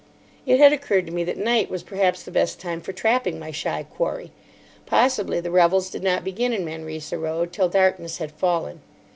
It had occurred to me that night was perhaps the best time for trapping my shy quarry. Possibly the revels did not begin in Manresa Road till darkness had fallen.